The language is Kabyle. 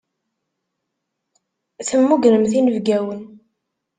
Temmugremt inebgiwen.